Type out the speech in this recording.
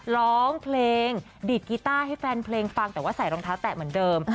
ร้องเพลงดีดกีต้าให้แฟนเพลงฟังแต่ว่าใส่รองเท้าแตะเหมือนเดิม